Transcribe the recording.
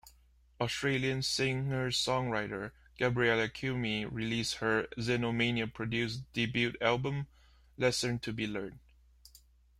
Australian singer-songwriter Gabriella Cilmi released her Xenomania-produced debut album, "Lessons to Be Learned".